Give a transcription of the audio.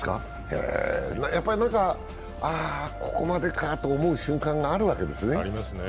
やっぱり、ああ、ここまでかと思う瞬間があるわけですね。